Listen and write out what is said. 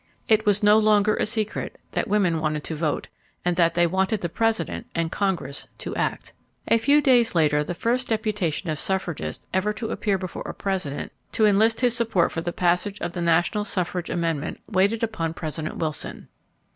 It was no longer a secret that women wanted to vote and that they wanted the President and Congress to act. A few days later the first deputation of suffragists ever to appear before a President to enlist his support for the passage of the national suffrage amendment waited upon President Wilson.